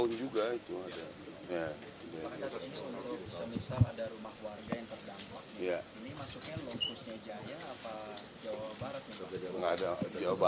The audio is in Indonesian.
kalau misalnya ada rumah warga yang terdampak ini masuknya lokusnya jaya apa jawa barat